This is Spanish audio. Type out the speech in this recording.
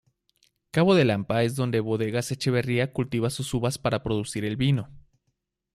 Cabo de Lampa es donde Bodegas Echeverría cultiva sus uvas para producir el vino.